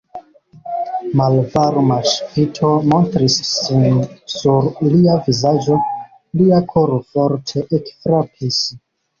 Malvarma ŝvito montris sin sur lia vizaĝo; lia koro forte ekfrapis.